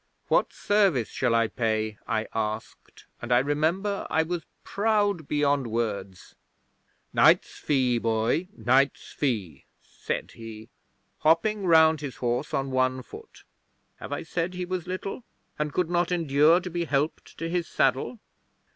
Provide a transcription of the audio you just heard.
'"What service shall I pay?" I asked, and I remember I was proud beyond words. '"Knight's fee, boy, knight's fee!" said he, hopping round his horse on one foot. (Have I said he was little, and could not endure to be helped to his saddle?)